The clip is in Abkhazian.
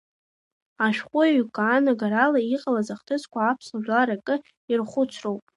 Ашәҟәыҩҩы игәаанагарала, иҟалаз ахҭысқәа аԥсуа жәлар акыр иархәыцроуп.